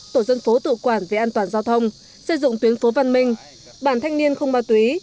tổ dân phố tự quản về an toàn giao thông xây dựng tuyến phố văn minh bản thanh niên không ma túy